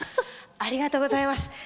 ありがとうございます。